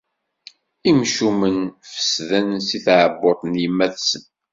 Imcumen fessden si tɛebbuḍt n yemma-tsen.